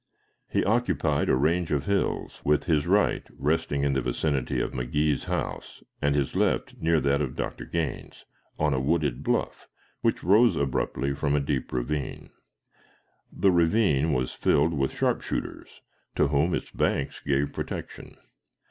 He occupied a range of hills, with his right resting in the vicinity of McGhee's house, and his left near that of Dr. Gaines, on a wooded bluff, which rose abruptly from a deep ravine. The ravine was filled with sharpshooters, to whom its banks gave protection.